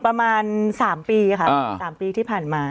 ประมาณ๓ปีค่ะ๓ปีที่ผ่านมา